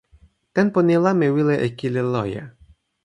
tenpo ni la mi wile e kili loje.